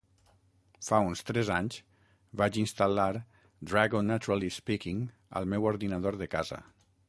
Fa uns tres anys, vaig instal·lar Dragon Naturally Speaking al meu ordinador de casa.